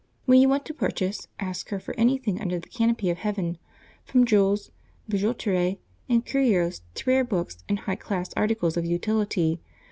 When you want to purchase, ask her for anything under the canopy of heaven, from jewels, bijouterie, and curios to rare books and high class articles of utility.